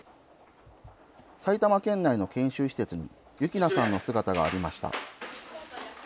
埼玉県内の研修施設に、喜なさんの姿がありました。